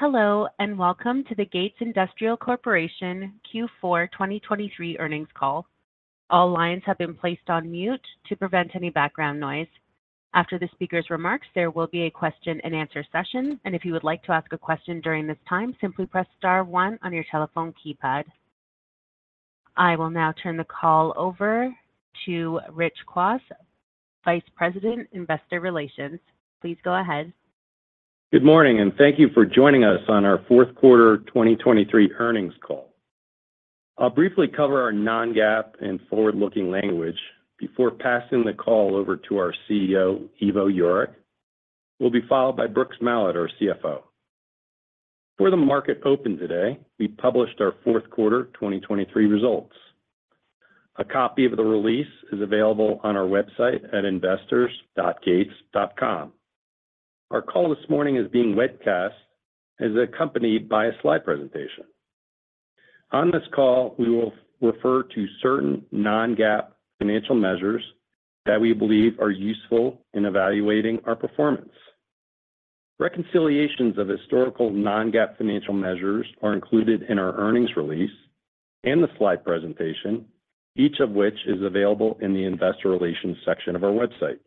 Hello, and welcome to the Gates Industrial Corporation Q4 2023 earnings call. All lines have been placed on mute to prevent any background noise. After the speaker's remarks, there will be a question and answer session, and if you would like to ask a question during this time, simply press star one on your telephone keypad. I will now turn the call over to Rich Kwas, Vice President, Investor Relations. Please go ahead. Good morning, and thank you for joining us on our fourth quarter 2023 earnings call. I'll briefly cover our non-GAAP and forward-looking language before passing the call over to our CEO, Ivo Jurek, who will be followed by Brooks Mallard, our CFO. Before the market opened today, we published our fourth quarter 2023 results. A copy of the release is available on our website at investors.gates.com. Our call this morning is being webcast and is accompanied by a slide presentation. On this call, we will refer to certain non-GAAP financial measures that we believe are useful in evaluating our performance. Reconciliations of historical non-GAAP financial measures are included in our earnings release and the slide presentation, each of which is available in the Investor Relations section of our website.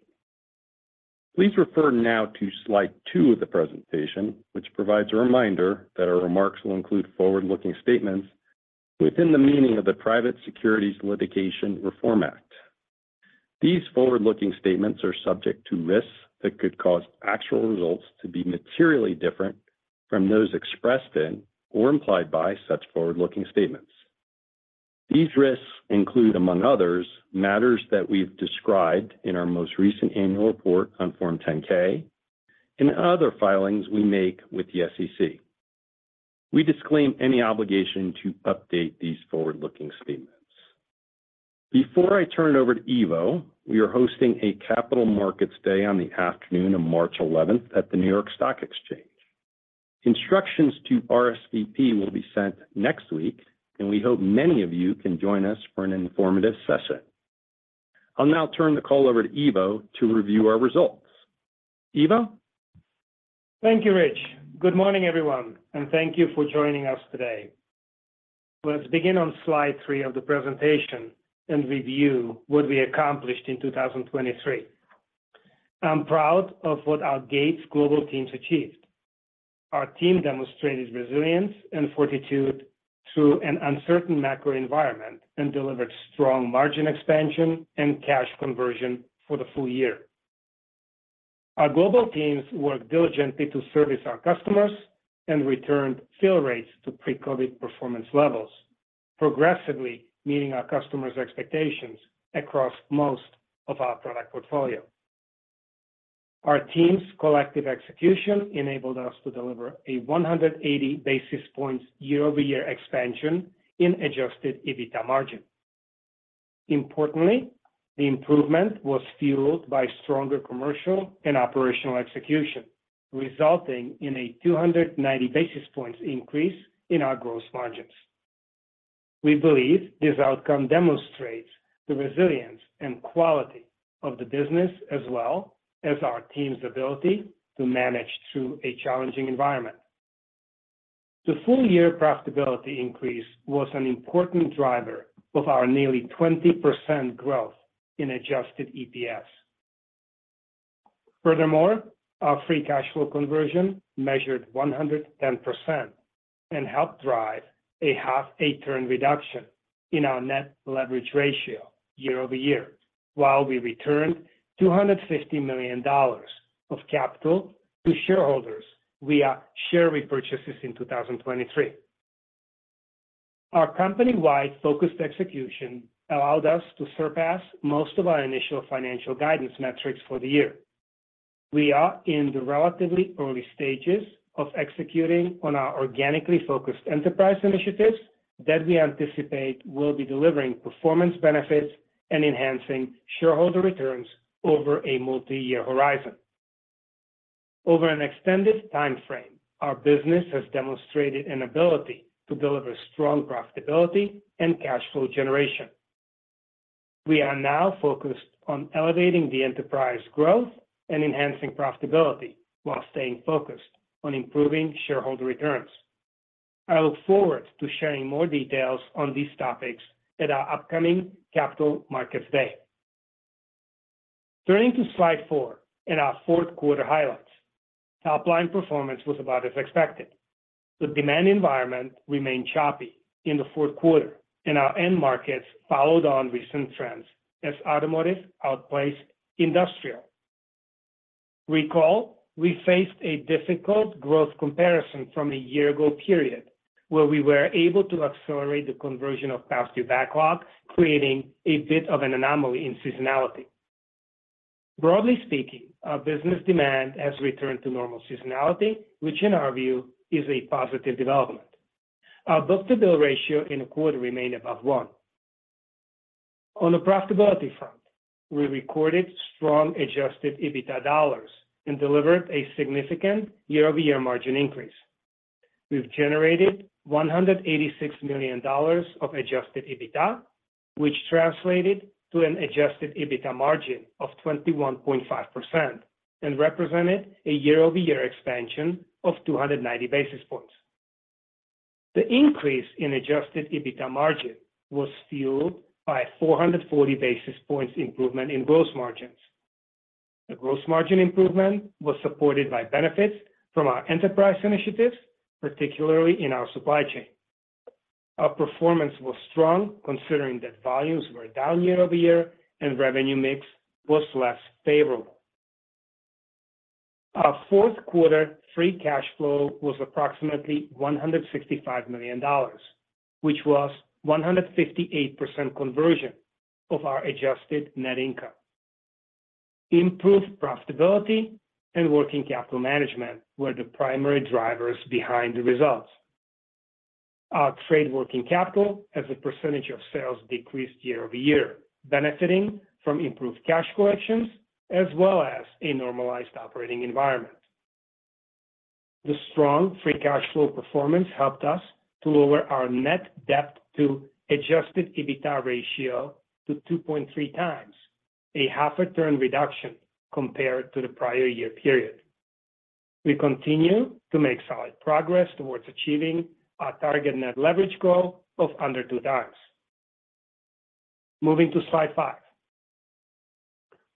Please refer now to slide two of the presentation, which provides a reminder that our remarks will include forward-looking statements within the meaning of the Private Securities Litigation Reform Act. These forward-looking statements are subject to risks that could cause actual results to be materially different from those expressed in or implied by such forward-looking statements. These risks include, among others, matters that we've described in our most recent annual report on Form 10-K and other filings we make with the SEC. We disclaim any obligation to update these forward-looking statements. Before I turn it over to Ivo, we are hosting a Capital Markets Day on the afternoon of March eleventh at the New York Stock Exchange. Instructions to RSVP will be sent next week, and we hope many of you can join us for an informative session. I'll now turn the call over to Ivo to review our results. Ivo? Thank you, Rich. Good morning, everyone, and thank you for joining us today. Let's begin on slide three of the presentation and review what we accomplished in 2023. I'm proud of what our Gates global teams achieved. Our team demonstrated resilience and fortitude through an uncertain macro environment and delivered strong margin expansion and cash conversion for the full year. Our global teams worked diligently to service our customers and returned fill rates to pre-COVID performance levels, progressively meeting our customers' expectations across most of our product portfolio. Our team's collective execution enabled us to deliver a 180 basis points year-over-year expansion in Adjusted EBITDA margin. Importantly, the improvement was fueled by stronger commercial and operational execution, resulting in a 290 basis points increase in our gross margins. We believe this outcome demonstrates the resilience and quality of the business, as well as our team's ability to manage through a challenging environment. The full-year profitability increase was an important driver of our nearly 20% growth in Adjusted EPS. Furthermore, our Free Cash Flow Conversion measured 110% and helped drive a half eight-turn reduction in our Net Leverage Ratio year-over-year, while we returned $250 million of capital to shareholders via share repurchases in 2023. Our company-wide focused execution allowed us to surpass most of our initial financial guidance metrics for the year. We are in the relatively early stages of executing on our organically focused enterprise initiatives that we anticipate will be delivering performance benefits and enhancing shareholder returns over a multi-year horizon. Over an extended timeframe, our business has demonstrated an ability to deliver strong profitability and cash flow generation. We are now focused on elevating the enterprise growth and enhancing profitability while staying focused on improving shareholder returns. I look forward to sharing more details on these topics at our upcoming Capital Markets Day. Turning to slide four and our fourth quarter highlights. Top-line performance was about as expected. The demand environment remained choppy in the fourth quarter, and our end markets followed on recent trends as automotive outpaced industrial. Recall, we faced a difficult growth comparison from a year ago period, where we were able to accelerate the conversion of past due backlog, creating a bit of an anomaly in seasonality. Broadly speaking, our business demand has returned to normal seasonality, which in our view, is a positive development. Our Book-to-Bill Ratio in the quarter remained above one. On the profitability front, we recorded strong Adjusted EBITDA dollars and delivered a significant year-over-year margin increase. We've generated $186 million of Adjusted EBITDA, which translated to an Adjusted EBITDA margin of 21.5% and represented a year-over-year expansion of 290 basis points. The increase in Adjusted EBITDA margin was fueled by 440 basis points improvement in gross margins. The gross margin improvement was supported by benefits from our enterprise initiatives, particularly in our supply chain. Our performance was strong, considering that volumes were down year-over-year and revenue mix was less favorable. Our fourth quarter free cash flow was approximately $165 million, which was 158% conversion of our adjusted net income. Improved profitability and working capital management were the primary drivers behind the results. Our Trade Working Capital as a percentage of sales decreased year-over-year, benefiting from improved cash collections, as well as a normalized operating environment. The strong free cash flow performance helped us to lower our net debt to Adjusted EBITDA ratio to 2.3x, a 0.5-turn reduction compared to the prior year period. We continue to make solid progress towards achieving our target net leverage goal of under two times. Moving to slide five.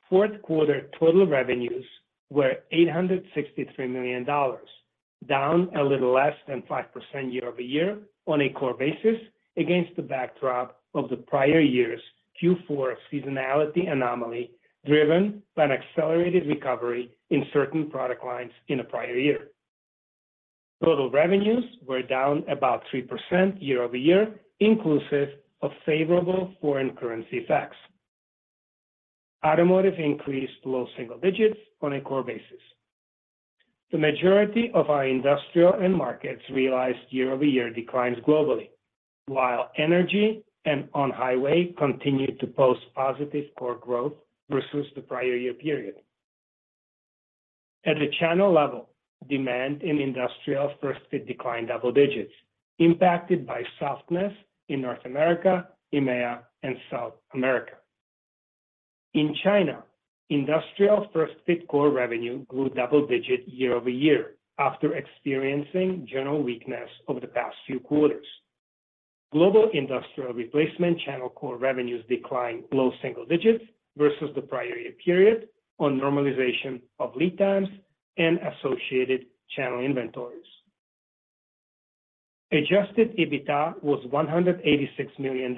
Fourth quarter total revenues were $863 million, down a little less than 5% year-over-year on a core basis, against the backdrop of the prior year's Q4 seasonality anomaly, driven by an accelerated recovery in certain product lines in the prior year. Total revenues were down about 3% year-over-year, inclusive of favorable foreign currency effects. Automotive increased low single digits on a core basis. The majority of our industrial end markets realized year-over-year declines globally, while energy and on-highway continued to post positive core growth versus the prior year period. At the channel level, demand in industrial First Fit declined double digits, impacted by softness in North America, EMEA, and South America. In China, industrial First Fit core revenue grew double digit year-over-year after experiencing general weakness over the past few quarters. Global industrial replacement channel core revenues declined low single digits versus the prior year period on normalization of lead times and associated channel inventories. Adjusted EBITDA was $186 million,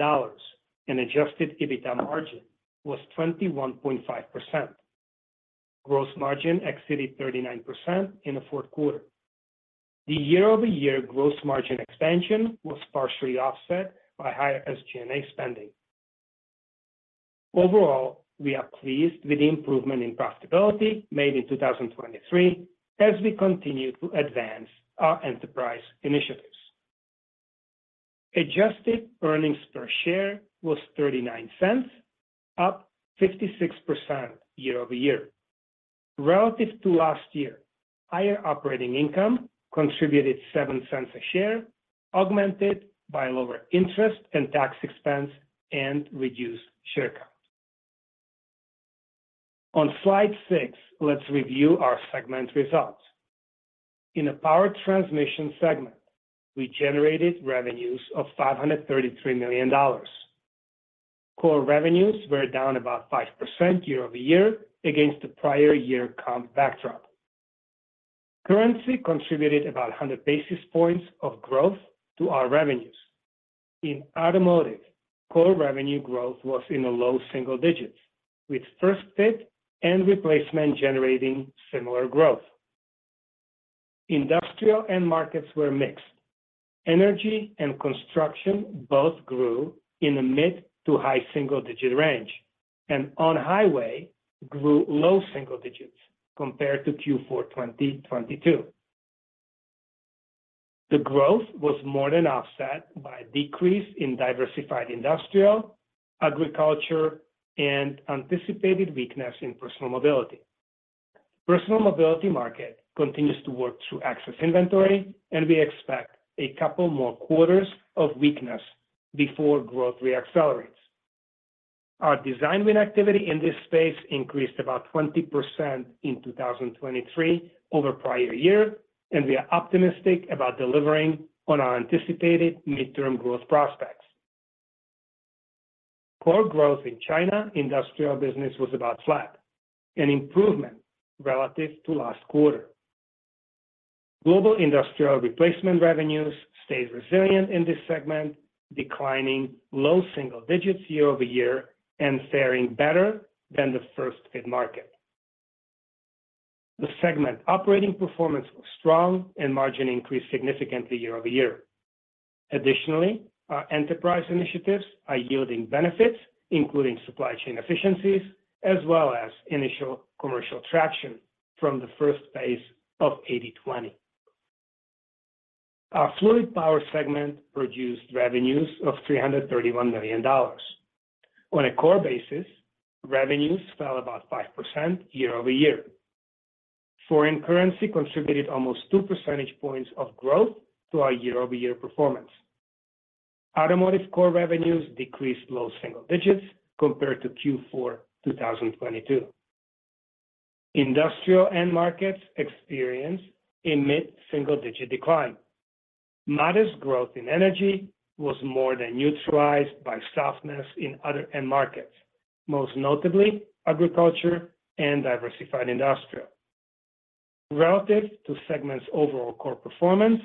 and Adjusted EBITDA margin was 21.5%. Gross margin exceeded 39% in the fourth quarter. The year-over-year gross margin expansion was partially offset by higher SG&A spending. Overall, we are pleased with the improvement in profitability made in 2023 as we continue to advance our enterprise initiatives. Adjusted earnings per share was $0.39, up 56% year-over-year. Relative to last year, higher operating income contributed $0.07 a share, augmented by lower interest and tax expense and reduced share count. On slide six, let's review our segment results. In the Power Transmission segment, we generated revenues of $533 million. Core revenues were down about 5% year-over-year against the prior year comp backdrop. Currency contributed about 100 basis points of growth to our revenues. In automotive, core revenue growth was in the low single digits, with First Fit and replacement generating similar growth. Industrial end markets were mixed. Energy and construction both grew in the mid- to high-single-digit range, and on-highway grew low-single-digits compared to Q4 2022. The growth was more than offset by a decrease in diversified industrial, agriculture, and anticipated weakness in Personal Mobility. Personal Mobility market continues to work through excess inventory, and we expect a couple more quarters of weakness before growth re-accelerates. Our design win activity in this space increased about 20% in 2023 over prior year, and we are optimistic about delivering on our anticipated midterm growth prospects. Core growth in China Industrial business was about flat, an improvement relative to last quarter. Global Industrial Replacement revenues stayed resilient in this segment, declining low-single-digits year-over-year and faring better than the First Fit market. The segment operating performance was strong, and margin increased significantly year-over-year. Additionally, our enterprise initiatives are yielding benefits, including supply chain efficiencies, as well as initial commercial traction from the first phase of 80/20. Our Fluid Power segment produced revenues of $331 million. On a core basis, revenues fell about 5% year-over-year. Foreign currency contributed almost two percentage points of growth to our year-over-year performance. Automotive core revenues decreased low single digits compared to Q4 2022. Industrial end markets experienced a mid-single-digit decline. Modest growth in energy was more than neutralized by softness in other end markets, most notably agriculture and diversified industrial. Relative to segment's overall core performance,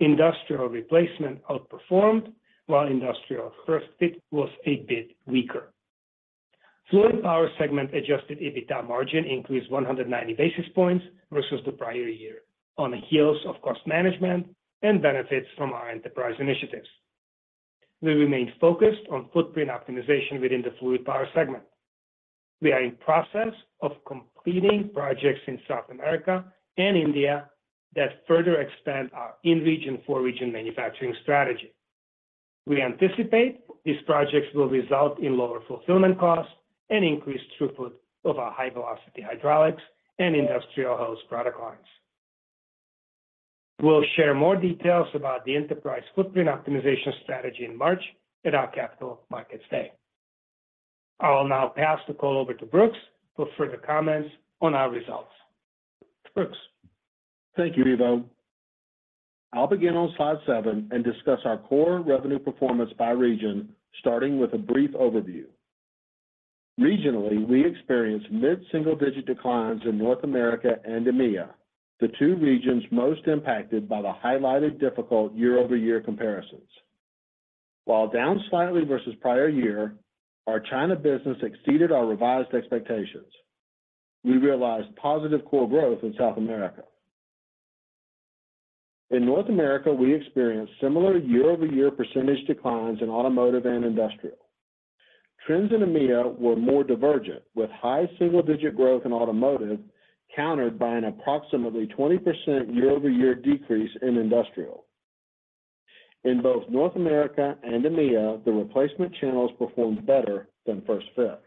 industrial replacement outperformed, while industrial First Fit was a bit weaker. Fluid Power segment Adjusted EBITDA margin increased 190 basis points versus the prior year on the heels of cost management and benefits from our enterprise initiatives. We remain focused on footprint optimization within the Fluid Power segment. We are in process of completing projects in South America and India that further expand our in-region, for-region manufacturing strategy. We anticipate these projects will result in lower fulfillment costs and increased throughput of our high-velocity hydraulics and industrial hose product lines. We'll share more details about the enterprise footprint optimization strategy in March at our Capital Markets Day. I will now pass the call over to Brooks for further comments on our results. Brooks? Thank you, Ivo. I'll begin on slide seven and discuss our Core Revenue performance by region, starting with a brief overview. Regionally, we experienced mid-single-digit declines in North America and EMEA, the two regions most impacted by the highlighted difficult year-over-year comparisons. While down slightly versus prior year, our China business exceeded our revised expectations. We realized positive Core Revenue growth in South America. In North America, we experienced similar year-over-year percentage declines in automotive and industrial. Trends in EMEA were more divergent, with high single-digit growth in automotive, countered by an approximately 20% year-over-year decrease in industrial. In both North America and EMEA, the Replacement channels performed better than First Fit.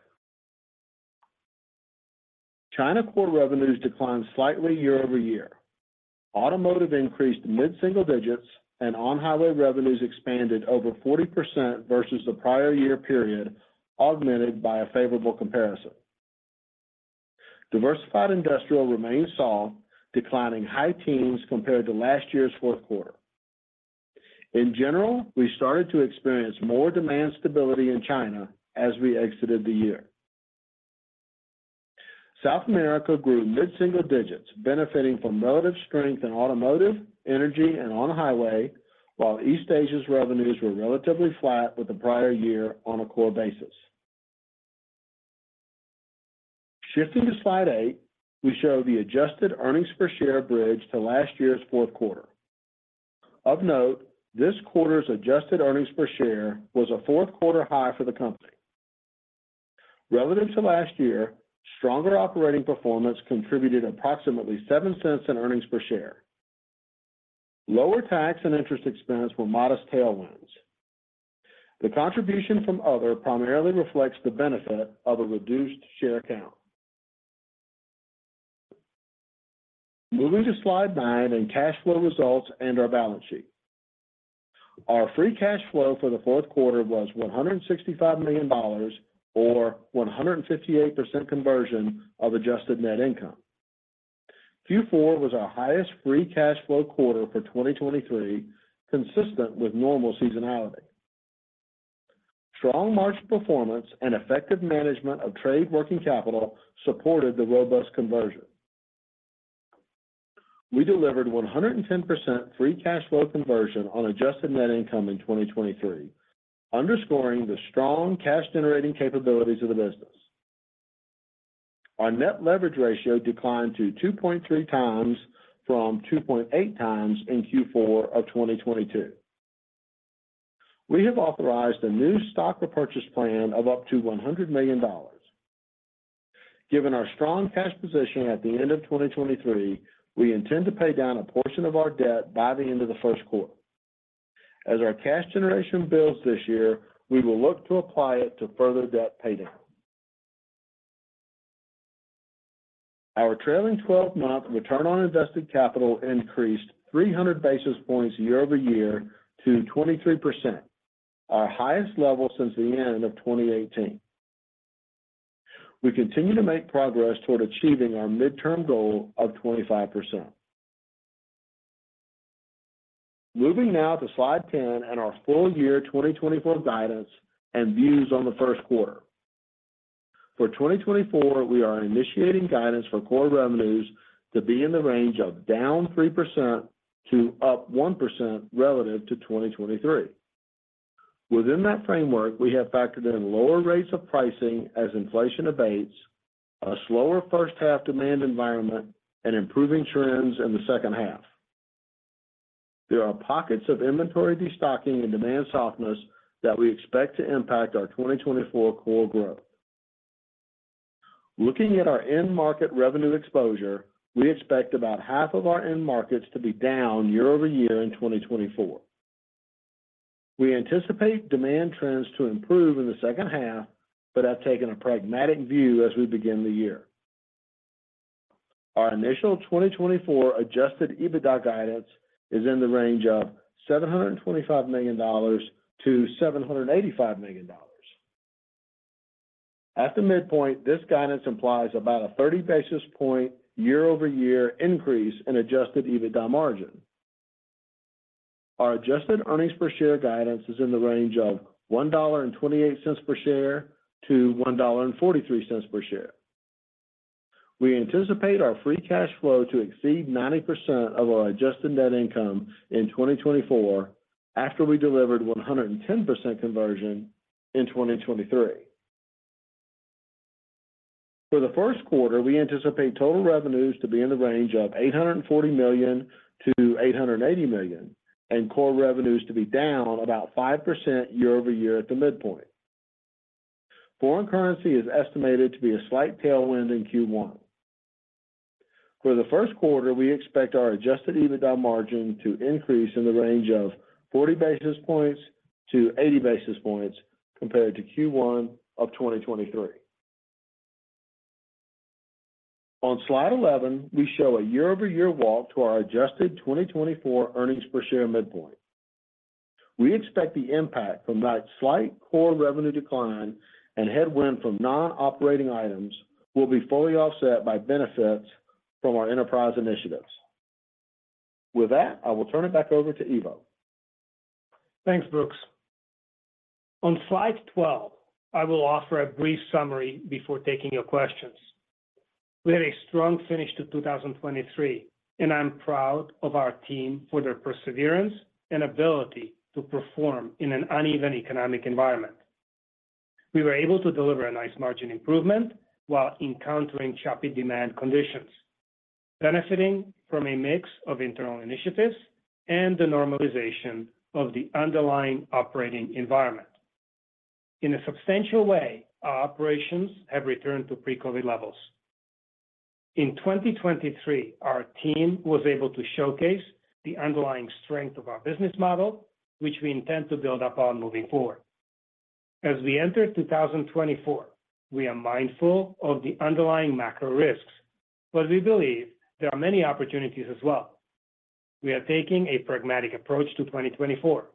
China Core Revenues declined slightly year-over-year. Automotive increased mid-single digits, and on-highway revenues expanded over 40% versus the prior year period, augmented by a favorable comparison. Diversified industrial remained soft, declining high teens compared to last year's fourth quarter. In general, we started to experience more demand stability in China as we exited the year. South America grew mid-single digits, benefiting from relative strength in automotive, energy, and on-highway, while East Asia's revenues were relatively flat with the prior year on a core basis. Shifting to Slide eight, we show the adjusted earnings per share bridge to last year's fourth quarter. Of note, this quarter's adjusted earnings per share was a fourth quarter high for the company. Relative to last year, stronger operating performance contributed approximately $0.07 in earnings per share. Lower tax and interest expense were modest tailwinds. The contribution from other primarily reflects the benefit of a reduced share count. Moving to Slide nine and cash flow results and our balance sheet. Our free cash flow for the fourth quarter was $165 million, or 158% conversion of adjusted net income. Q4 was our highest free cash flow quarter for 2023, consistent with normal seasonality. Strong margin performance and effective management of trade working capital supported the robust conversion. We delivered 110% free cash flow conversion on adjusted net income in 2023, underscoring the strong cash-generating capabilities of the business. Our net leverage ratio declined to 2.3x from 2.8x in Q4 of 2022. We have authorized a new stock repurchase plan of up to $100 million. Given our strong cash position at the end of 2023, we intend to pay down a portion of our debt by the end of the first quarter. As our cash generation builds this year, we will look to apply it to further debt paydown. Our trailing twelve-month return on invested capital increased 300 basis points year-over-year to 23%, our highest level since the end of 2018. We continue to make progress toward achieving our midterm goal of 25%. Moving now to Slide 10 and our full year 2024 guidance and views on the first quarter. For 2024, we are initiating guidance for core revenues to be in the range of down 3% to up 1% relative to 2023. Within that framework, we have factored in lower rates of pricing as inflation abates, a slower first half demand environment, and improving trends in the second half. There are pockets of inventory destocking and demand softness that we expect to impact our 2024 core growth. Looking at our end market revenue exposure, we expect about half of our end markets to be down year-over-year in 2024. We anticipate demand trends to improve in the second half, but have taken a pragmatic view as we begin the year. Our initial 2024 Adjusted EBITDA guidance is in the range of $725 million-$785 million. At the midpoint, this guidance implies about a 30 basis point year-over-year increase in Adjusted EBITDA margin. Our Adjusted earnings per share guidance is in the range of $1.28 per share-$1.43 per share. We anticipate our free cash flow to exceed 90% of our Adjusted net income in 2024, after we delivered 110% conversion in 2023. For the first quarter, we anticipate total revenues to be in the range of $840 million-$880 million, and core revenues to be down about 5% year-over-year at the midpoint. Foreign currency is estimated to be a slight tailwind in Q1. For the first quarter, we expect our Adjusted EBITDA margin to increase in the range of 40 basis points-80 basis points compared to Q1 of 2023. On slide 11, we show a year-over-year walk to our Adjusted 2024 earnings per share midpoint. We expect the impact from that slight core revenue decline and headwind from non-operating items will be fully offset by benefits from our enterprise initiatives. With that, I will turn it back over to Ivo. Thanks, Brooks. On slide 12, I will offer a brief summary before taking your questions. We had a strong finish to 2023, and I'm proud of our team for their perseverance and ability to perform in an uneven economic environment. We were able to deliver a nice margin improvement while encountering choppy demand conditions, benefiting from a mix of internal initiatives and the normalization of the underlying operating environment. In a substantial way, our operations have returned to pre-COVID levels. In 2023, our team was able to showcase the underlying strength of our business model, which we intend to build upon moving forward. As we enter 2024, we are mindful of the underlying macro risks, but we believe there are many opportunities as well. We are taking a pragmatic approach to 2024,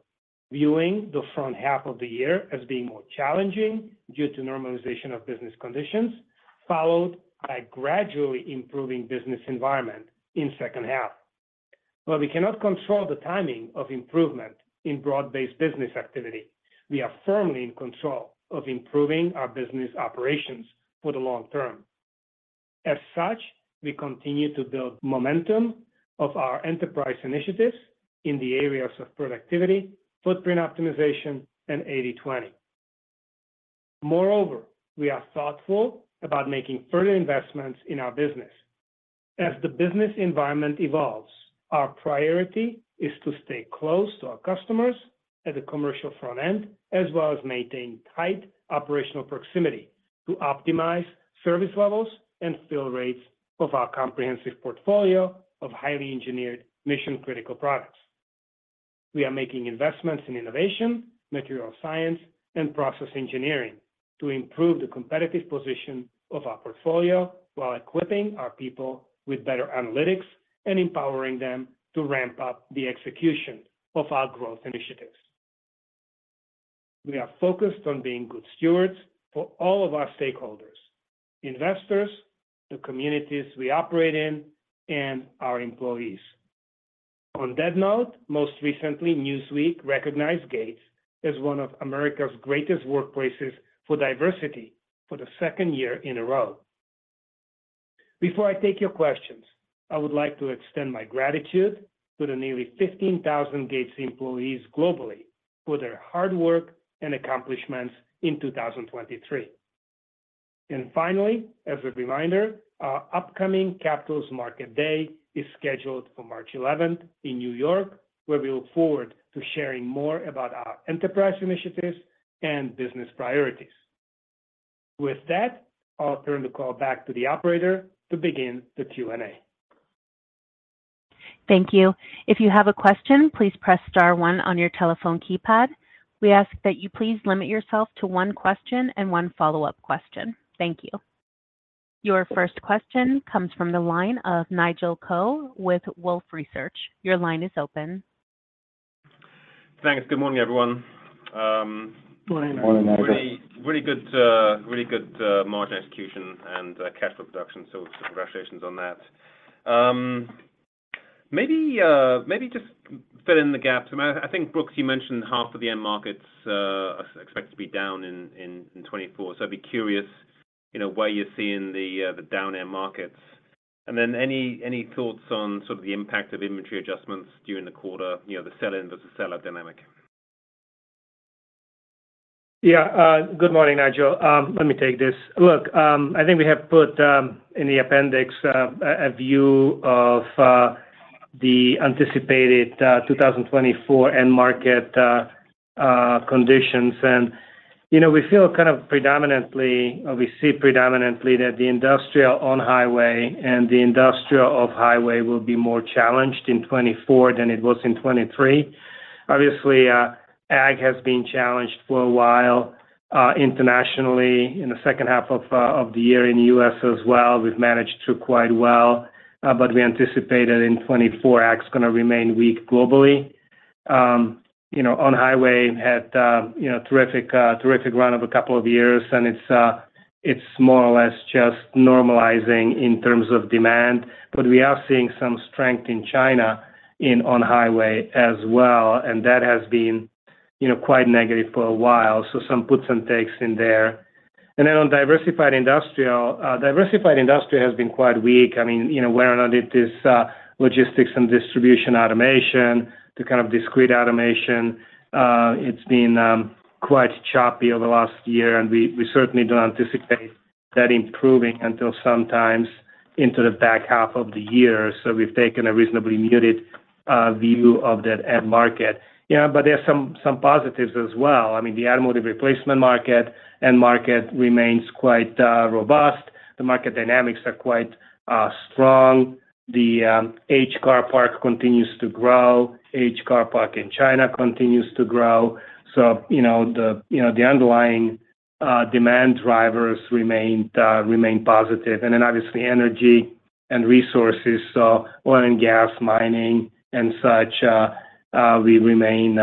viewing the front half of the year as being more challenging due to normalization of business conditions, followed by gradually improving business environment in second half. While we cannot control the timing of improvement in broad-based business activity, we are firmly in control of improving our business operations for the long term. As such, we continue to build momentum of our enterprise initiatives in the areas of productivity, footprint optimization, and 80/20. Moreover, we are thoughtful about making further investments in our business. As the business environment evolves, our priority is to stay close to our customers at the commercial front end, as well as maintain tight operational proximity to optimize service levels and fill rates of our comprehensive portfolio of highly engineered mission-critical products. We are making investments in innovation, material science, and process engineering to improve the competitive position of our portfolio, while equipping our people with better analytics and empowering them to ramp up the execution of our growth initiatives. We are focused on being good stewards for all of our stakeholders, investors, the communities we operate in, and our employees. On that note, most recently, Newsweek recognized Gates as one of America's greatest workplaces for diversity for the second year in a row. Before I take your questions, I would like to extend my gratitude to the nearly 15,000 Gates employees globally for their hard work and accomplishments in 2023. Finally, as a reminder, our upcoming Capital Markets Day is scheduled for March eleventh in New York, where we look forward to sharing more about our enterprise initiatives and business priorities. With that, I'll turn the call back to the operator to begin the Q&A. Thank you. If you have a question, please press star one on your telephone keypad. We ask that you please limit yourself to one question and one follow-up question. Thank you. Your first question comes from the line of Nigel Coe with Wolfe Research. Your line is open. Thanks. Good morning, everyone. Good morning. Good morning, Nigel. Really, really good, really good, margin execution and, cash flow production, so congratulations on that. Maybe, maybe just fill in the gaps. I think, Brooks, you mentioned half of the end markets are expected to be down in 2024. So I'd be curious, you know, where you're seeing the, the down end markets? And then any thoughts on sort of the impact of inventory adjustments during the quarter, you know, the sell-in versus sellout dynamic? Yeah, good morning, Nigel. Let me take this. Look, I think we have put in the appendix a view of the anticipated 2024 end market conditions and... You know, we feel kind of predominantly, or we see predominantly, that the industrial on highway and the industrial off highway will be more challenged in 2024 than it was in 2023. Obviously, ag has been challenged for a while, internationally in the second half of the year. In the U.S. as well, we've managed through quite well, but we anticipate that in 2024, ag's gonna remain weak globally. You know, on highway had a you know, terrific run of a couple of years, and it's more or less just normalizing in terms of demand. But we are seeing some strength in China in on-highway as well, and that has been, you know, quite negative for a while, so some puts and takes in there. And then on diversified industrial, diversified industry has been quite weak. I mean, you know, whether or not it is, logistics and distribution automation to kind of discrete automation, it's been quite choppy over the last year, and we certainly don't anticipate that improving until sometime into the back half of the year. So we've taken a reasonably muted view of that end market. Yeah, but there are some positives as well. I mean, the automotive replacement market, end market remains quite robust. The market dynamics are quite strong. The aged car park continues to grow. Aged car park in China continues to grow. So, you know, the underlying demand drivers remain positive, and then obviously, energy and resources, so oil and gas, mining and such, we remain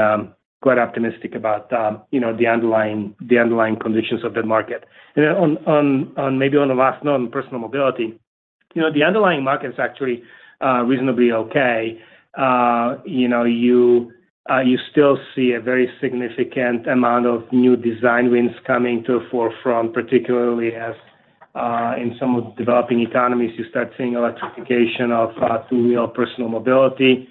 quite optimistic about, you know, the underlying conditions of that market. And on maybe on the last note, on personal mobility, you know, the underlying market is actually reasonably okay. You know, you still see a very significant amount of new design wins coming to the forefront, particularly as in some of the developing economies, you start seeing electrification of two-wheel personal mobility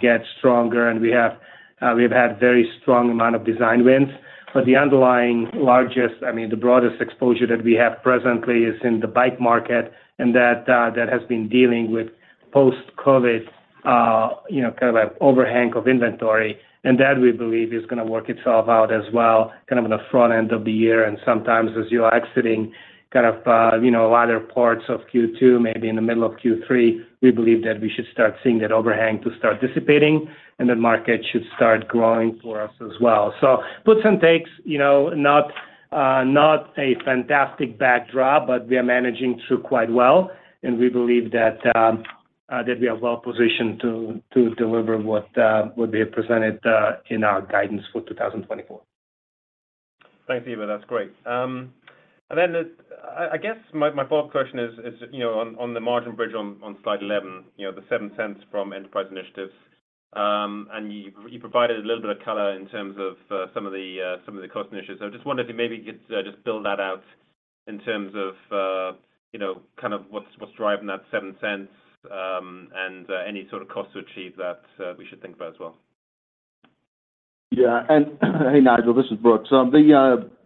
get stronger, and we have had very strong amount of design wins. But the underlying largest, I mean, the broadest exposure that we have presently is in the bike market, and that, that has been dealing with post-COVID, you know, kind of an overhang of inventory, and that, we believe, is gonna work itself out as well, kind of in the front end of the year. And sometimes as you are exiting, kind of, you know, latter parts of Q2, maybe in the middle of Q3, we believe that we should start seeing that overhang to start dissipating, and the market should start growing for us as well. So puts and takes, you know, not, not a fantastic backdrop, but we are managing through quite well, and we believe that, that we are well positioned to, to deliver what, what we have presented, in our guidance for 2024. Thanks, Ivo. That's great. And then I guess my fourth question is, you know, on the margin bridge on slide 11, you know, the $0.07 from enterprise initiatives. And you provided a little bit of color in terms of some of the cost initiatives. So I just wondered if you maybe could just build that out in terms of, you know, kind of what's driving that $0.07, and any sort of cost to achieve that we should think about as well. Yeah. And hey, Nigel, this is Brooks.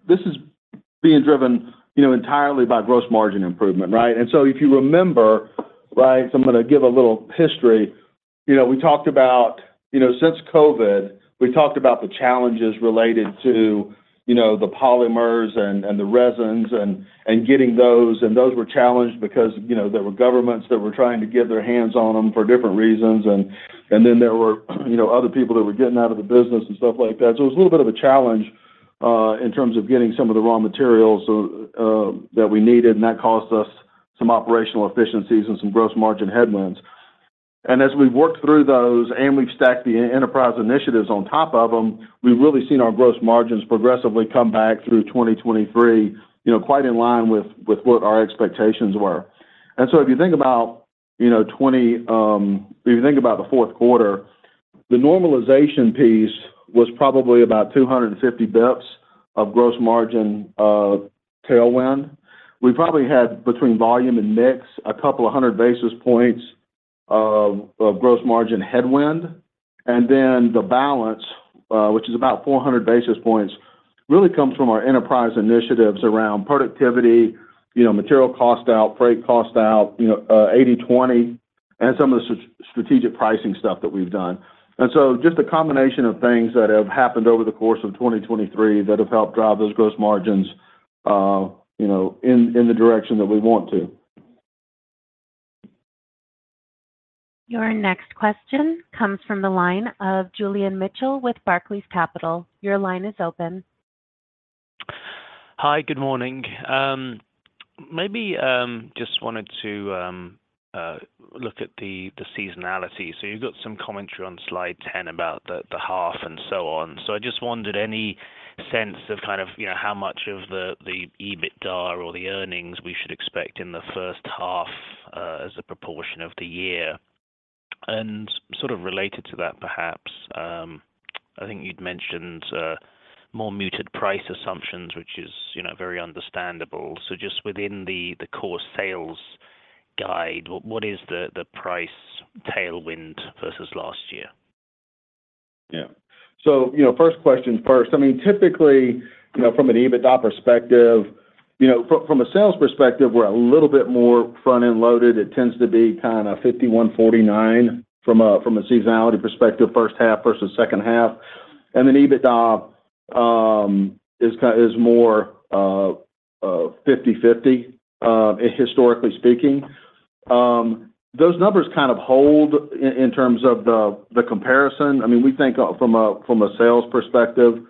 This is being driven, you know, entirely by gross margin improvement, right? And so if you remember, right, so I'm gonna give a little history. You know, we talked about, you know, since COVID, we talked about the challenges related to, you know, the polymers and, and the resins and, and getting those. And those were challenged because, you know, there were governments that were trying to get their hands on them for different reasons. And, and then there were, you know, other people that were getting out of the business and stuff like that. So it was a little bit of a challenge in terms of getting some of the raw materials, so that we needed, and that cost us some operational efficiencies and some gross margin headwinds. As we've worked through those, and we've stacked the enterprise initiatives on top of them, we've really seen our gross margins progressively come back through 2023, you know, quite in line with what our expectations were. So if you think about the fourth quarter, the normalization piece was probably about 250 basis points of gross margin tailwind. We probably had between volume and mix, a couple of hundred basis points of gross margin headwind. And then the balance, which is about 400 basis points, really comes from our enterprise initiatives around productivity, you know, material cost out, freight cost out, you know, 80/20, and some of the strategic pricing stuff that we've done. So just a combination of things that have happened over the course of 2023 that have helped drive those gross margins, you know, in the direction that we want to. Your next question comes from the line of Julian Mitchell with Barclays Capital. Your line is open. Hi, good morning. Maybe just wanted to look at the seasonality. So you've got some commentary on slide 10 about the half and so on. So I just wondered, any sense of kind of, you know, how much of the EBITDA or the earnings we should expect in the first half as a proportion of the year? And sort of related to that, perhaps, I think you'd mentioned more muted price assumptions, which is, you know, very understandable. So just within the core sales guide, what is the price tailwind versus last year? Yeah. So, you know, first question first. I mean, typically, you know, from an EBITDA perspective. You know, from a sales perspective, we're a little bit more front-end loaded. It tends to be kind of 51/49 from a seasonality perspective, first half versus second half. And then EBITDA is more 50/50, historically speaking. Those numbers kind of hold in terms of the comparison. I mean, we think of from a sales perspective, you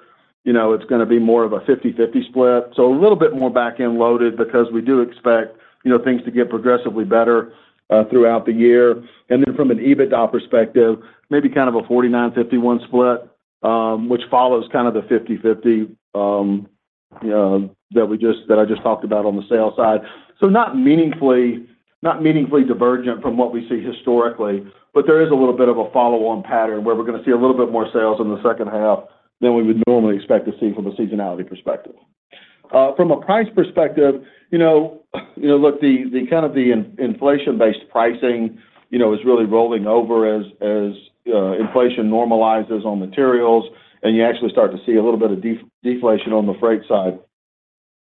know, it's gonna be more of a 50/50 split. So a little bit more back-end loaded because we do expect, you know, things to get progressively better throughout the year. From an EBITDA perspective, maybe kind of a 49-51 split, which follows kind of the 50/50, you know, that we just-- that I just talked about on the sales side. So not meaningfully, not meaningfully divergent from what we see historically, but there is a little bit of a follow-on pattern where we're gonna see a little bit more sales in the second half than we would normally expect to see from a seasonality perspective. From a price perspective, you know, you know, look, the kind of the inflation-based pricing, you know, is really rolling over as, as, inflation normalizes on materials, and you actually start to see a little bit of deflation on the freight side.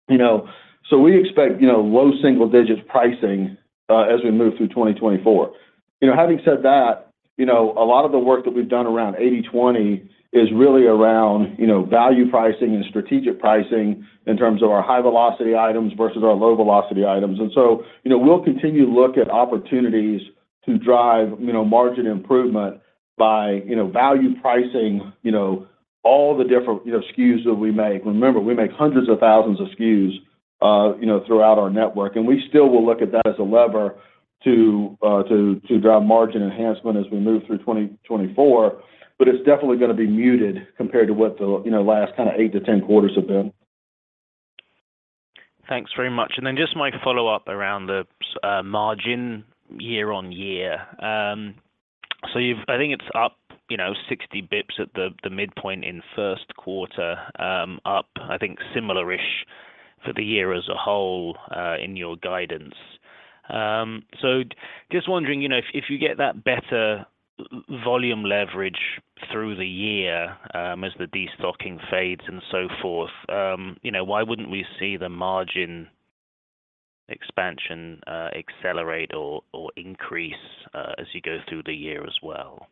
You know, so we expect, you know, low single digits pricing, as we move through 2024. You know, having said that, you know, a lot of the work that we've done around 80/20 is really around, you know, value pricing and strategic pricing in terms of our high-velocity items versus our low-velocity items. And so, you know, we'll continue to look at opportunities to drive, you know, margin improvement by, you know, value pricing, you know, all the different, you know, SKUs that we make. Remember, we make hundreds of thousands of SKUs, you know, throughout our network, and we still will look at that as a lever to to drive margin enhancement as we move through 2024. But it's definitely gonna be muted compared to what the, you know, last kind of eight to 10 quarters have been. Thanks very much. Then just my follow-up around the margin year-on-year. So you've—I think it's up, you know, 60 basis points at the midpoint in first quarter, up, I think, similar-ish for the year as a whole in your guidance. So just wondering, you know, if you get that better volume leverage through the year as the destocking fades and so forth, you know, why wouldn't we see the margin expansion accelerate or increase as you go through the year as well?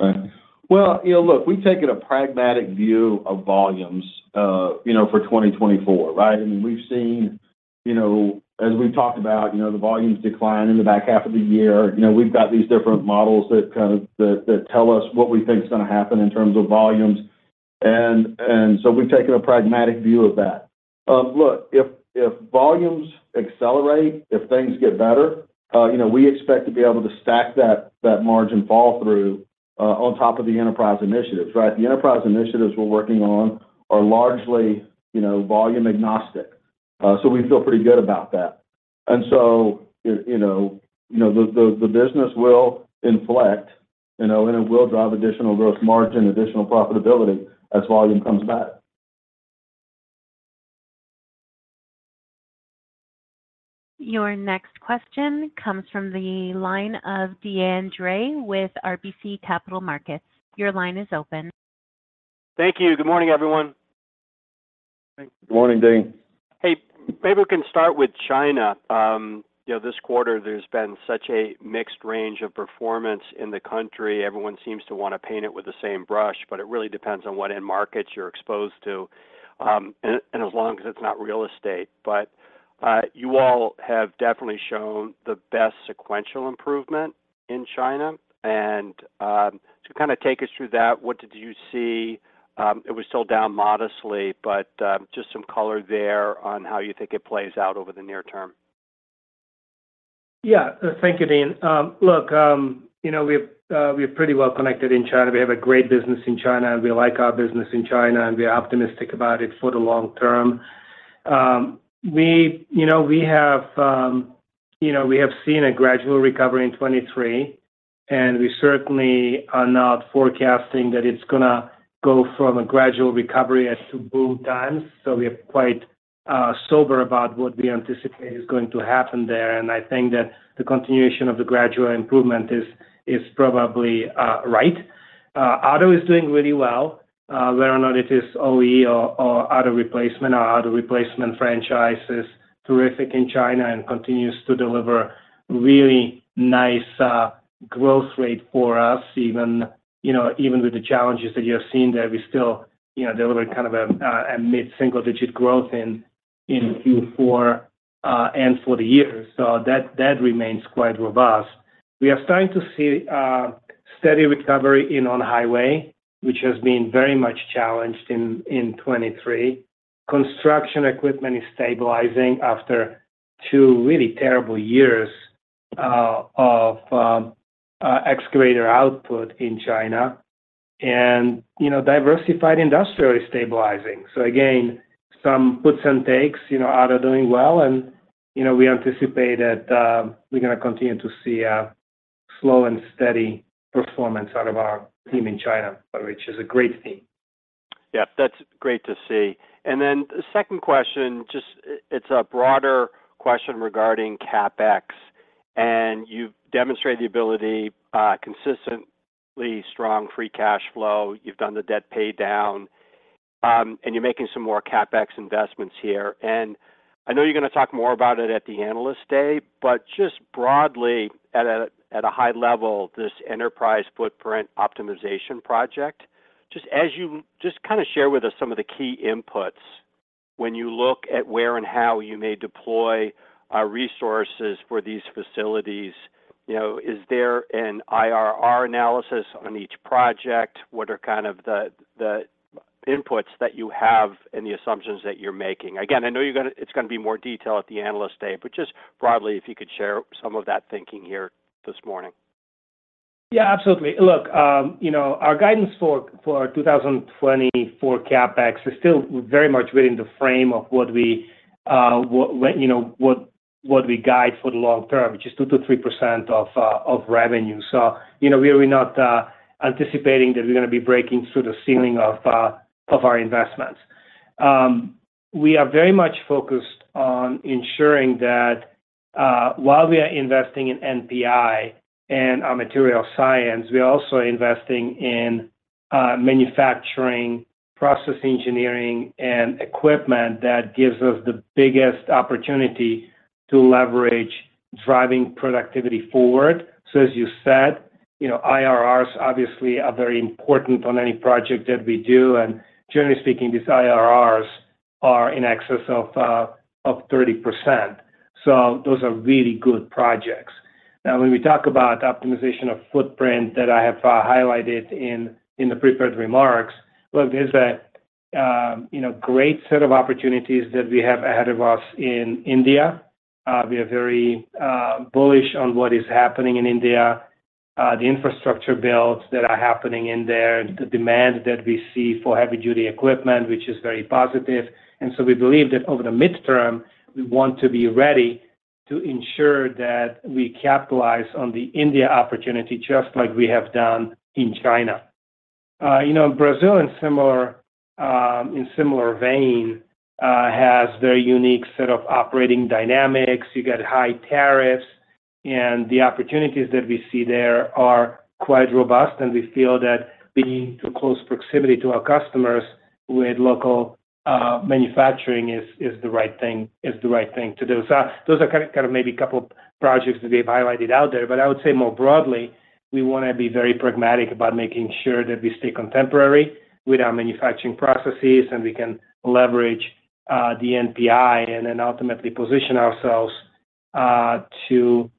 Right. Well, you know, look, we've taken a pragmatic view of volumes, for 2024, right? I mean, we've seen, you know, as we've talked about, you know, the volumes decline in the back half of the year. You know, we've got these different models that kind of, that, that tell us what we think is gonna happen in terms of volumes. And, and so we've taken a pragmatic view of that. Look, if, if volumes accelerate, if things get better, you know, we expect to be able to stack that, that margin fall through, on top of the enterprise initiatives, right? The enterprise initiatives we're working on are largely, you know, volume agnostic, so we feel pretty good about that. And so, you know, you know, the business will inflect, you know, and it will drive additional growth margin, additional profitability as volume comes back. Your next question comes from the line of Dean Dray with RBC Capital Markets. Your line is open. Thank you. Good morning, everyone. Good morning, Dean. Hey, maybe we can start with China. You know, this quarter there's been such a mixed range of performance in the country. Everyone seems to want to paint it with the same brush, but it really depends on what end markets you're exposed to, and, and as long as it's not real estate. But, you all have definitely shown the best sequential improvement in China, and, to kind of take us through that, what did you see? It was still down modestly, but, just some color there on how you think it plays out over the near term. Yeah. Thank you, Dean. Look, you know, we're pretty well connected in China. We have a great business in China, and we like our business in China, and we are optimistic about it for the long term. You know, we have seen a gradual recovery in 2023, and we certainly are not forecasting that it's gonna go from a gradual recovery to boom times. So we are quite sober about what we anticipate is going to happen there, and I think that the continuation of the gradual improvement is probably right. Auto is doing really well, whether or not it is OE or auto replacement. Our auto replacement franchise is terrific in China and continues to deliver really nice growth rate for us. Even, you know, even with the challenges that you have seen there, we still, you know, deliver kind of a mid-single-digit growth in Q4 and for the year. So that remains quite robust. We are starting to see steady recovery in on-highway, which has been very much challenged in 2023. Construction equipment is stabilizing after two really terrible years of excavator output in China, and, you know, diversified industrial is stabilizing. So again, some puts and takes, you know, auto doing well, and, you know, we anticipate that we're gonna continue to see a slow and steady performance out of our team in China, which is a great team. Yeah, that's great to see. And then the second question, just—it's a broader question regarding CapEx... and you've demonstrated the ability, consistently strong free cash flow. You've done the debt pay down, and you're making some more CapEx investments here. And I know you're gonna talk more about it at the Analyst Day, but just broadly, at a, at a high level, this enterprise footprint optimization project, just as you—just kind of share with us some of the key inputs when you look at where and how you may deploy, resources for these facilities. You know, is there an IRR analysis on each project? What are kind of the, the inputs that you have and the assumptions that you're making? Again, I know you're gonna, it's gonna be more detail at the Analyst Day, but just broadly, if you could share some of that thinking here this morning. Yeah, absolutely. Look, you know, our guidance for our 2024 CapEx is still very much within the frame of what we, when, you know, what we guide for the long term, which is 2%-3% of revenue. So, you know, we are not anticipating that we're gonna be breaking through the ceiling of our investments. We are very much focused on ensuring that, while we are investing in NPI and our material science, we are also investing in manufacturing, process engineering, and equipment that gives us the biggest opportunity to leverage driving productivity forward. So as you said, you know, IRRs obviously are very important on any project that we do, and generally speaking, these IRRs are in excess of 30%. So those are really good projects. Now, when we talk about optimization of footprint that I have highlighted in the prepared remarks, well, there's a, you know, great set of opportunities that we have ahead of us in India. We are very bullish on what is happening in India, the infrastructure builds that are happening in there, the demand that we see for heavy-duty equipment, which is very positive. And so we believe that over the midterm, we want to be ready to ensure that we capitalize on the India opportunity, just like we have done in China. You know, Brazil, in similar vein, has very unique set of operating dynamics. You get high tariffs, and the opportunities that we see there are quite robust, and we feel that being to close proximity to our customers with local manufacturing is the right thing to do. So those are kind of maybe a couple projects that we have highlighted out there. But I would say more broadly, we wanna be very pragmatic about making sure that we stay contemporary with our manufacturing processes, and we can leverage the NPI and then ultimately position ourselves to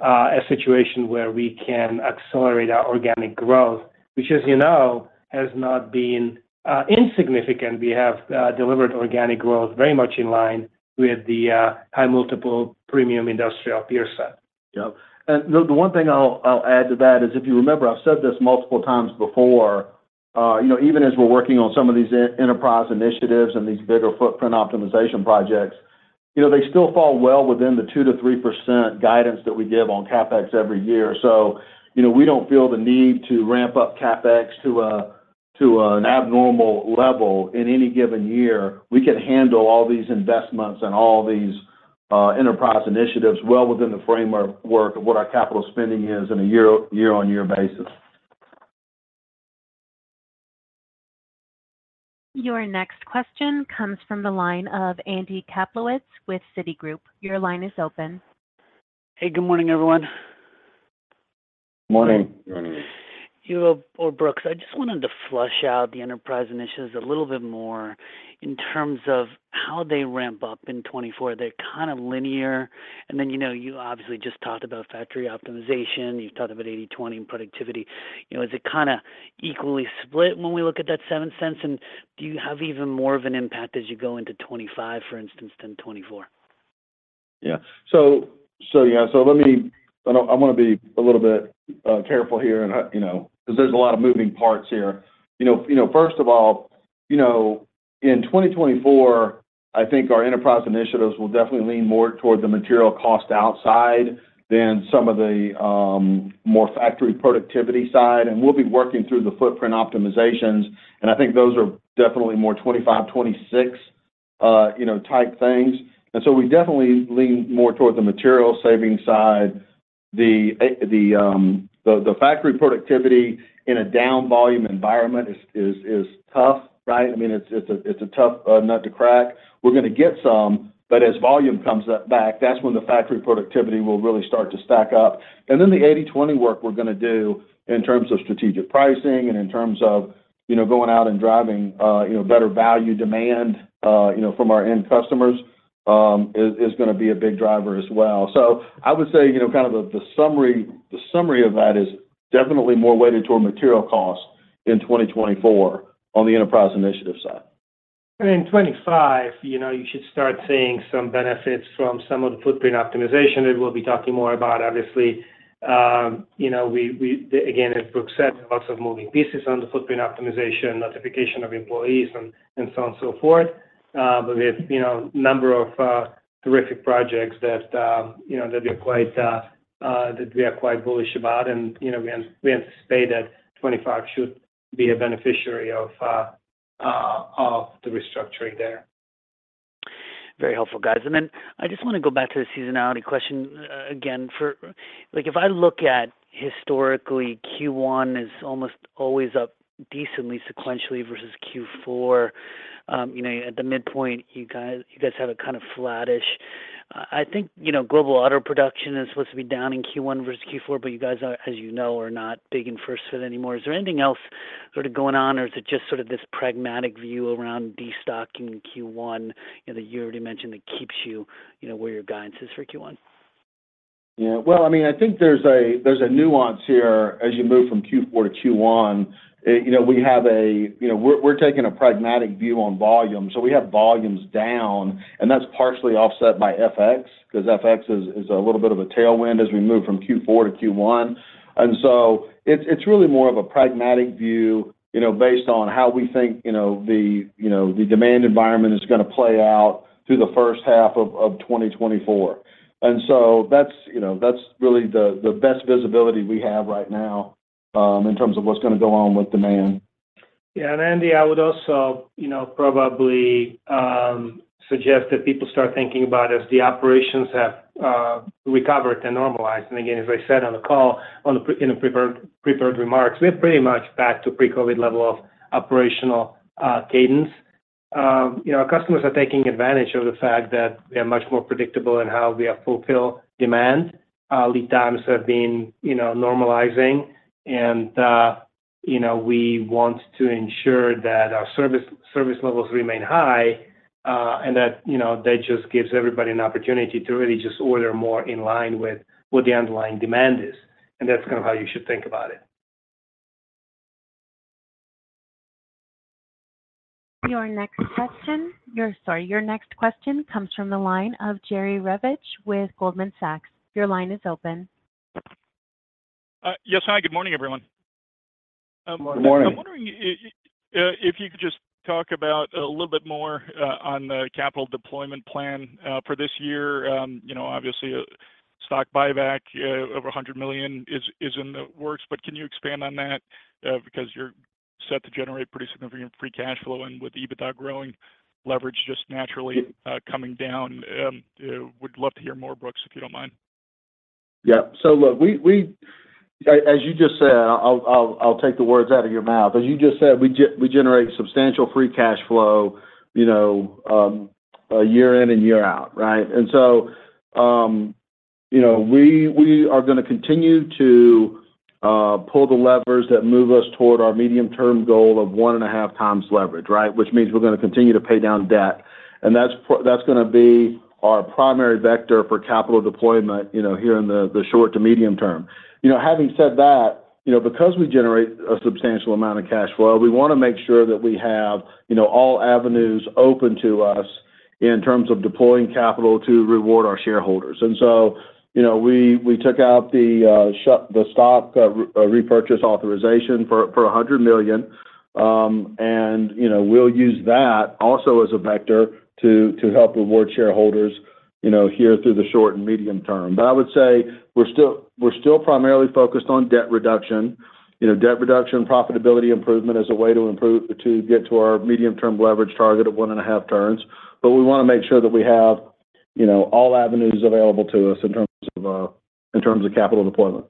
a situation where we can accelerate our organic growth, which, as you know, has not been insignificant. We have delivered organic growth very much in line with the high multiple premium industrial peer set. Yep. And the one thing I'll add to that is, if you remember, I've said this multiple times before, you know, even as we're working on some of these enterprise initiatives and these bigger footprint optimization projects, you know, they still fall well within the 2%-3% guidance that we give on CapEx every year. So, you know, we don't feel the need to ramp up CapEx to an abnormal level in any given year. We can handle all these investments and all these enterprise initiatives well within the framework of what our capital spending is on a year-on-year basis. Your next question comes from the line of Andy Kaplowitz with Citigroup. Your line is open. Hey, good morning, everyone. Morning. Morning. You or Brooks, I just wanted to flesh out the enterprise initiatives a little bit more in terms of how they ramp up in 2024. They're kind of linear, and then, you know, you obviously just talked about factory optimization, you've talked about 80/20 and productivity. You know, is it kinda equally split when we look at that seven cents, and do you have even more of an impact as you go into 2025, for instance, than 2024? Yeah. So yeah, so let me—I wanna be a little bit careful here and you know, because there's a lot of moving parts here. You know, first of all, you know, in 2024, I think our enterprise initiatives will definitely lean more toward the material cost outside than some of the more factory productivity side. And we'll be working through the footprint optimizations, and I think those are definitely more 25, 26 you know, type things. And so we definitely lean more towards the material savings side. The factory productivity in a down volume environment is tough, right? I mean, it's a tough nut to crack. We're gonna get some, but as volume comes up back, that's when the factory productivity will really start to stack up. And then the 80/20 work we're gonna do in terms of strategic pricing and in terms of, you know, going out and driving, you know, better value demand, you know, from our end customers, is, is gonna be a big driver as well. So I would say, you know, kind of the, the summary, the summary of that is definitely more weighted toward material cost in 2024 on the enterprise initiative side. In 2025, you know, you should start seeing some benefits from some of the footprint optimization that we'll be talking more about, obviously. You know, we again, as Brooks said, lots of moving pieces on the footprint optimization, notification of employees, and so on, so forth. But we have, you know, a number of terrific projects that, you know, that we're quite, that we are quite bullish about. You know, we anticipate that 2025 should be a beneficiary of the restructuring there.... Very helpful, guys. And then I just want to go back to the seasonality question, again, for, like, if I look at historically, Q1 is almost always up decently sequentially versus Q4. You know, at the midpoint, you guys, you guys have a kind of flattish. I think, you know, global auto production is supposed to be down in Q1 versus Q4, but you guys are, as you know, are not big in First Fit anymore. Is there anything else sort of going on, or is it just sort of this pragmatic view around destocking in Q1 that you already mentioned that keeps you, you know, where your guidance is for Q1? Yeah, well, I mean, I think there's a nuance here as you move from Q4 to Q1. You know, we have, you know, we're taking a pragmatic view on volume, so we have volumes down, and that's partially offset by FX, because FX is a little bit of a tailwind as we move from Q4 to Q1. And so it's really more of a pragmatic view, you know, based on how we think, you know, the demand environment is gonna play out through the first half of 2024. And so that's really the best visibility we have right now in terms of what's gonna go on with demand. Yeah, Andy, I would also, you know, probably suggest that people start thinking about as the operations have recovered and normalized. Again, as I said on the call, in the prepared remarks, we're pretty much back to pre-COVID level of operational cadence. You know, our customers are taking advantage of the fact that we are much more predictable in how we fulfill demand. Lead times have been, you know, normalizing and, you know, we want to ensure that our service levels remain high, and that just gives everybody an opportunity to really just order more in line with what the underlying demand is, and that's kind of how you should think about it. Your next question comes from the line of Jerry Revich with Goldman Sachs. Your line is open. Yes, hi, good morning, everyone. Good morning. Morning. I'm wondering, if you could just talk about a little bit more, on the capital deployment plan, for this year. You know, obviously, a stock buyback, over $100 million is, is in the works, but can you expand on that? Because you're set to generate pretty significant free cash flow, and with EBITDA growing, leverage just naturally, coming down. Would love to hear more, Brooks, if you don't mind. Yeah. So look, as you just said, I'll take the words out of your mouth. As you just said, we generate substantial free cash flow, you know, year in and year out, right? And so, you know, we are gonna continue to pull the levers that move us toward our medium-term goal of 1.5x leverage, right? Which means we're gonna continue to pay down debt, and that's gonna be our primary vector for capital deployment, you know, here in the short to medium term. You know, having said that, you know, because we generate a substantial amount of cash flow, we want to make sure that we have, you know, all avenues open to us in terms of deploying capital to reward our shareholders. So, you know, we took out the stock repurchase authorization for $100 million. And, you know, we'll use that also as a vector to help reward shareholders, you know, here through the short and medium term. But I would say we're still primarily focused on debt reduction. You know, debt reduction, profitability improvement as a way to get to our medium-term leverage target of 1.5 turns. But we want to make sure that we have, you know, all avenues available to us in terms of capital deployment.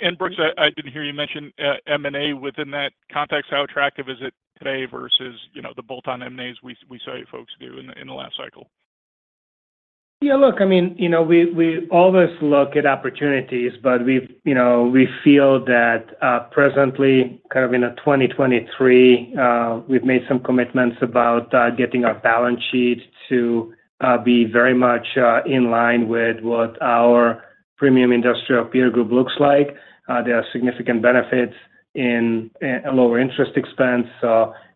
And Brooks, I didn't hear you mention M&A within that context. How attractive is it today versus, you know, the bolt-on M&As we saw you folks do in the last cycle? Yeah, look, I mean, you know, we, we always look at opportunities, but you know, we feel that, presently, kind of in a 2023, we've made some commitments about, getting our balance sheet to, be very much, in line with what our premium industrial peer group looks like. There are significant benefits in a lower interest expense,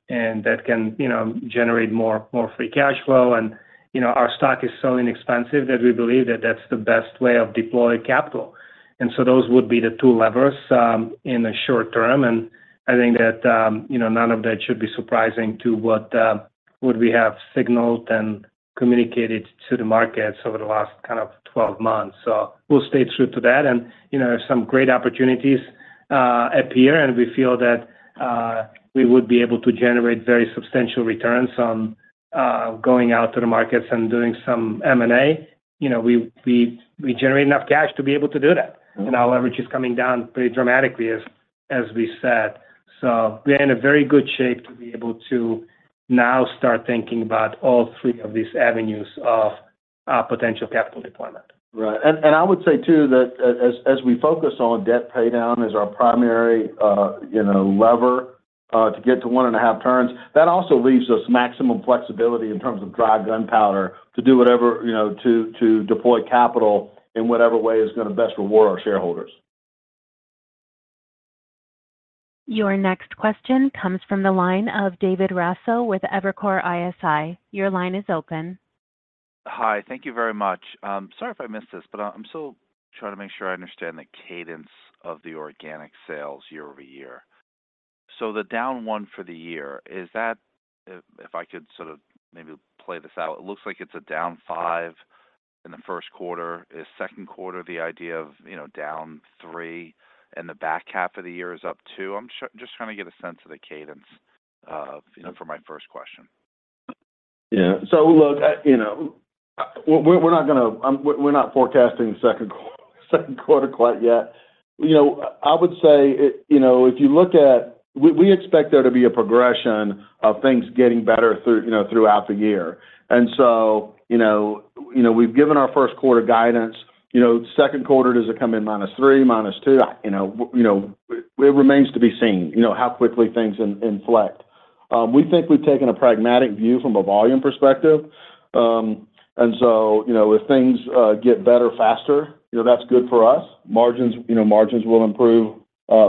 and that can, you know, generate more free cash flow. And, you know, our stock is so inexpensive that we believe that that's the best way of deploying capital. And so those would be the two levers, in the short term. And I think that, you know, none of that should be surprising to what, what we have signaled and communicated to the markets over the last kind of 12 months. So we'll stay true to that. You know, if some great opportunities appear, and we feel that we would be able to generate very substantial returns on going out to the markets and doing some M&A, you know, we generate enough cash to be able to do that. And our leverage is coming down pretty dramatically, as we said. So we are in a very good shape to be able to now start thinking about all three of these avenues of potential capital deployment. Right. And I would say, too, that as we focus on debt paydown as our primary, you know, lever to get to 1.5 turns, that also leaves us maximum flexibility in terms of dry powder to do whatever, you know, to deploy capital in whatever way is gonna best reward our shareholders. Your next question comes from the line of David Raso with Evercore ISI. Your line is open. Hi, thank you very much. Sorry if I missed this, but I'm still trying to make sure I understand the cadence of the organic sales year-over-year. So the down one for the year, is that, if, if I could sort of maybe play this out, it looks like it's a down five-... in the first quarter. Is second quarter, the idea of, you know, down three, and the back half of the year is up two? I'm just trying to get a sense of the cadence, you know, for my first question. Yeah. So look, you know, we're not gonna, we're not forecasting second quarter quite yet. You know, I would say, you know, if you look at... We expect there to be a progression of things getting better through, you know, throughout the year. And so, you know, you know, we've given our first quarter guidance. You know, second quarter, does it come in minus thee, minus two? You know, you know, it remains to be seen, you know, how quickly things inflect. We think we've taken a pragmatic view from a volume perspective. And so, you know, if things get better faster, you know, that's good for us. Margins, you know, margins will improve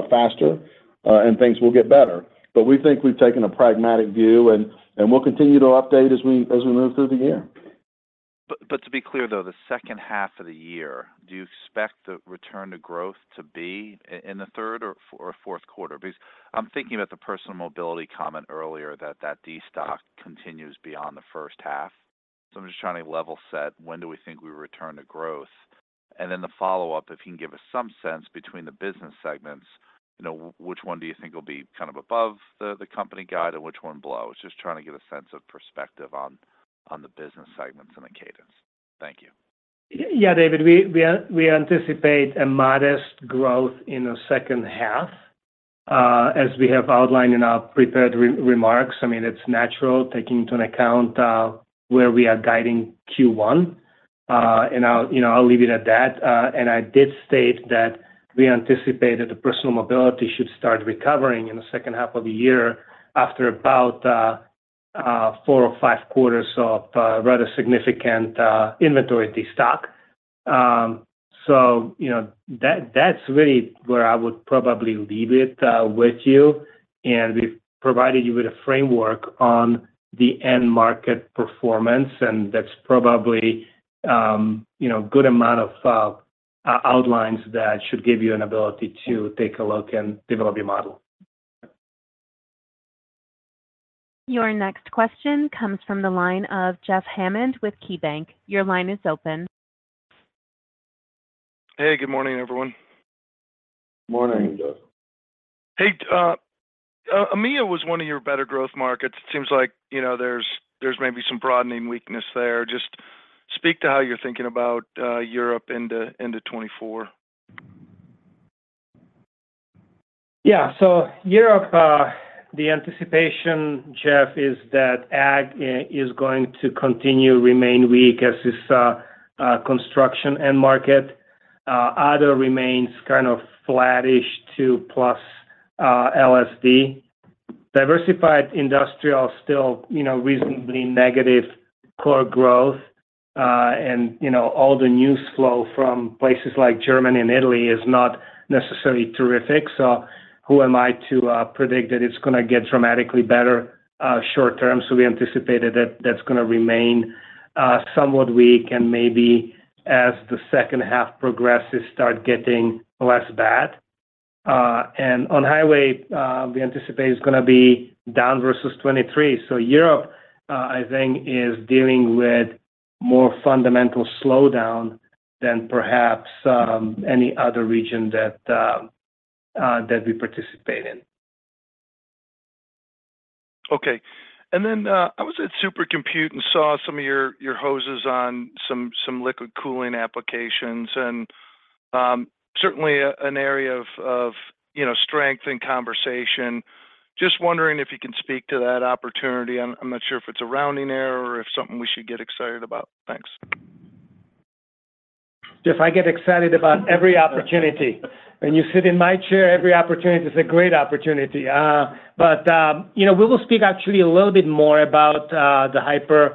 faster, and things will get better. But we think we've taken a pragmatic view, and we'll continue to update as we move through the year. But to be clear, though, the second half of the year, do you expect the return to growth to be in the third or fourth quarter? Because I'm thinking about the personal mobility comment earlier, that destock continues beyond the first half. So I'm just trying to level set, when do we think we return to growth? And then the follow-up, if you can give us some sense between the business segments, you know, which one do you think will be kind of above the company guide, and which one below? Just trying to get a sense of perspective on the business segments and the cadence. Thank you. Yeah, David, we are—we anticipate a modest growth in the second half, as we have outlined in our prepared remarks. I mean, it's natural, taking into account where we are guiding Q1. And I'll, you know, leave it at that. And I did state that we anticipate that the personal mobility should start recovering in the second half of the year, after about four or five quarters of rather significant inventory destock. So you know, that's really where I would probably leave it with you. And we've provided you with a framework on the end market performance, and that's probably a good amount of outlines that should give you an ability to take a look and develop your model. Your next question comes from the line of Jeff Hammond with KeyBanc. Your line is open. Hey, good morning, everyone. Morning, Jeff. Hey, EMEA was one of your better growth markets. It seems like, you know, there's maybe some broadening weakness there. Just speak to how you're thinking about Europe into 2024? Yeah. So Europe, the anticipation, Jeff, is that ag is going to continue to remain weak, as is construction end market. Auto remains kind of flattish to plus LSD. Diversified industrial, still, you know, reasonably negative core growth. And, you know, all the news flow from places like Germany and Italy is not necessarily terrific, so who am I to predict that it's gonna get dramatically better short term? So we anticipate that that's gonna remain somewhat weak, and maybe as the second half progresses, start getting less bad. And on highway, we anticipate it's gonna be down versus 2023. So Europe, I think, is dealing with more fundamental slowdown than perhaps any other region that we participate in. Okay. And then I was at Supercompute and saw some of your hoses on some liquid cooling applications, and certainly an area of, you know, strength and conversation. Just wondering if you can speak to that opportunity. I'm not sure if it's a rounding error or if something we should get excited about. Thanks. Jeff, I get excited about every opportunity. When you sit in my chair, every opportunity is a great opportunity. You know, we will speak actually a little bit more about the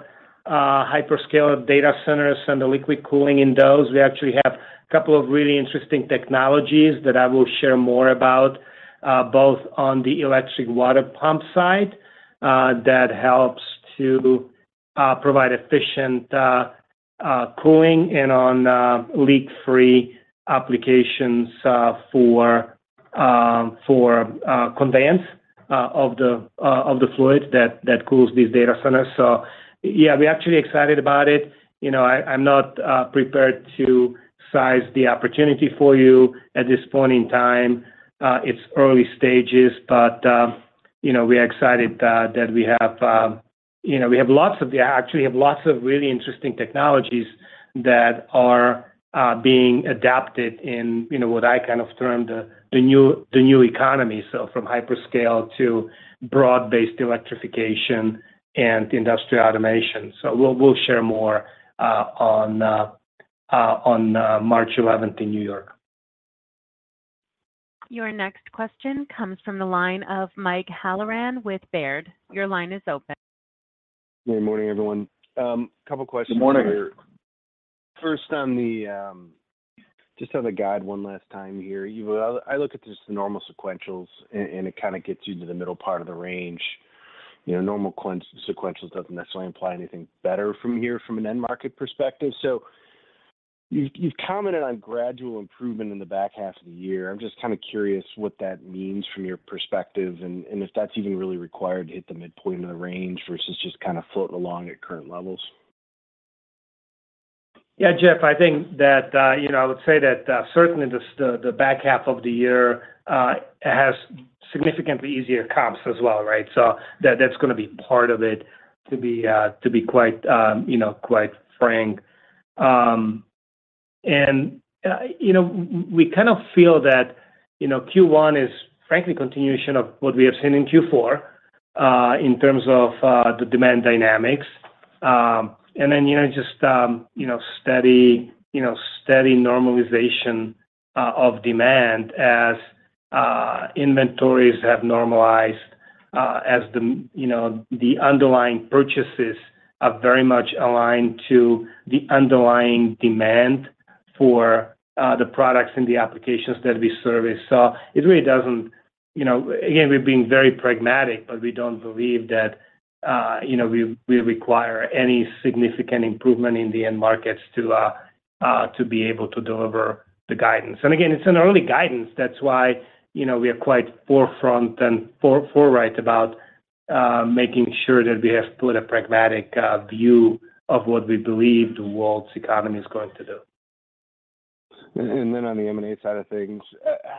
hyperscale data centers and the liquid cooling in those. We actually have a couple of really interesting technologies that I will share more about, both on the electric water pump side, that helps to provide efficient cooling, and on leak-free applications, for conveyance of the fluids that cools these data centers. So yeah, we're actually excited about it. You know, I, I'm not prepared to size the opportunity for you at this point in time. It's early stages, but you know, we are excited that we have. You know, we have lots of—actually, we have lots of really interesting technologies that are being adapted in, you know, what I kind of term the new economy, so from hyperscale to broad-based electrification and industrial automation. So we'll share more on March eleventh in New York. Your next question comes from the line of Mike Halloran with Baird. Your line is open. Good morning, everyone. Couple questions- Good morning. First, just on the guide one last time here, I look at just the normal sequentials, and it kind of gets you to the middle part of the range. You know, normal sequentials doesn't necessarily imply anything better from here, from an end market perspective. So- ... You've commented on gradual improvement in the back half of the year. I'm just kind of curious what that means from your perspective, and if that's even really required to hit the midpoint of the range versus just kind of floating along at current levels? Yeah, Jeff, I think that, you know, I would say that, certainly the back half of the year has significantly easier comps as well, right? So that, that's gonna be part of it, to be, to be quite, you know, quite frank. And, you know, we kind of feel that, you know, Q1 is frankly continuation of what we have seen in Q4, in terms of, the demand dynamics. And then, you know, just, you know, steady, you know, steady normalization, of demand as, inventories have normalized, as the, you know, the underlying purchases are very much aligned to the underlying demand for, the products and the applications that we service. So it really doesn't... You know, again, we're being very pragmatic, but we don't believe that, you know, we require any significant improvement in the end markets to be able to deliver the guidance. And again, it's an early guidance. That's why, you know, we are quite forefront and forthright about making sure that we have put a pragmatic view of what we believe the world's economy is going to do. And then on the M&A side of things,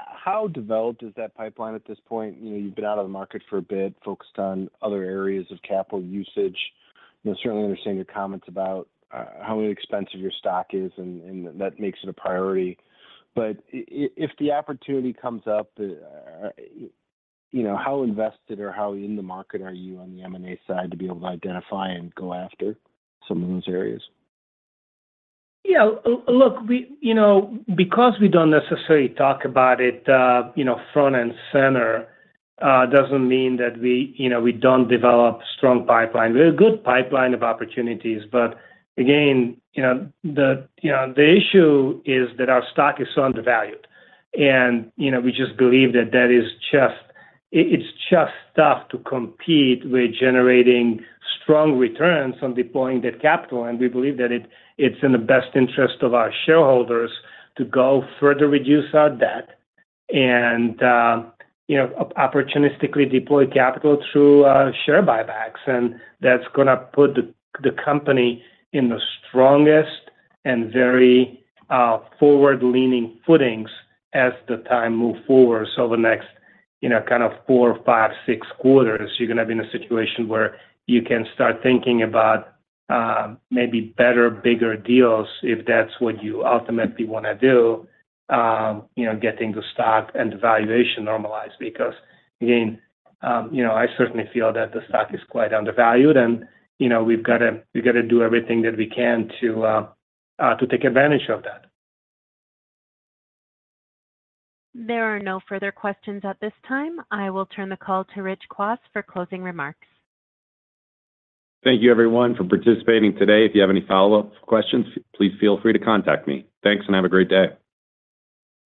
how developed is that pipeline at this point? You know, you've been out of the market for a bit, focused on other areas of capital usage. I certainly understand your comments about how inexpensive your stock is, and that makes it a priority. But if the opportunity comes up, you know, how invested or how in the market are you on the M&A side to be able to identify and go after some of those areas? Yeah, look, we, you know, because we don't necessarily talk about it, you know, front and center, doesn't mean that we, you know, we don't develop strong pipeline. We have a good pipeline of opportunities, but again, you know, the, you know, the issue is that our stock is so undervalued. And, you know, we just believe that that is just—it's just tough to compete with generating strong returns on deploying that capital, and we believe that it, it's in the best interest of our shareholders to go further reduce our debt and, you know, opportunistically deploy capital through, uh, share buybacks. And that's gonna put the, the company in the strongest and very, uh, forward-leaning footings as the time move forward. So the next, you know, kind of four, five, six quarters, you're gonna be in a situation where you can start thinking about, maybe better, bigger deals, if that's what you ultimately wanna do, you know, getting the stock and the valuation normalized. Because, again, you know, I certainly feel that the stock is quite undervalued and, you know, we've got to—we've got to do everything that we can to take advantage of that. There are no further questions at this time. I will turn the call to Rich Kwas for closing remarks. Thank you everyone for participating today. If you have any follow-up questions, please feel free to contact me. Thanks, and have a great day.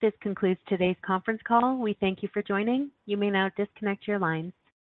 This concludes today's conference call. We thank you for joining. You may now disconnect your lines.